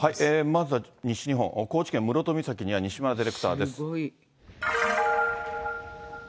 まずは西日本、高知県室戸岬には、西村ディレクターです。